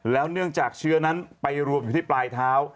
เนื่องจากเชื้อนั้นไปรวมอยู่ที่ปลายเท้า